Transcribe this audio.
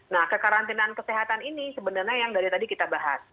nah kekarantinaan kesehatan ini sebenarnya yang dari tadi kita bahas